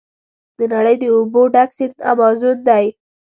د نړۍ د اوبو ډک سیند امازون دی.